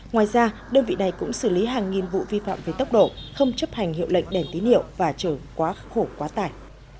ngoài ra đơn vị này cũng xử lý hàng nghìn vụ vi phạm về tốc độ không chấp hành hiệu lệnh đèn tín hiệu và trở quá khổ quá tải